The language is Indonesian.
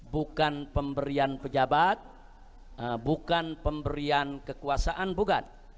bukan pemberian pejabat bukan pemberian kekuasaan bukan